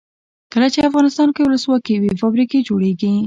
کله چې افغانستان کې ولسواکي وي فابریکې جوړیږي.